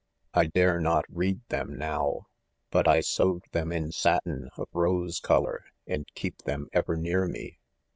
T dare not read them, now; biiWf sewed them in satin of rose color, and keep) them ever near me.